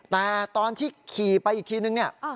แต่ตอนที่ขี่ไปอีกทีหนึ่ง